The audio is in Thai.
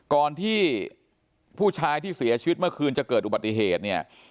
ก่อนที่ผู้ชายที่เสียชีวิตเมื่อคืนจะเกิดอุบัติเหตุเนี่ย